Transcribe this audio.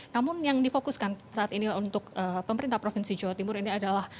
namun yang difokuskan saat ini untuk pemerintah provinsi jawa timur ini adalah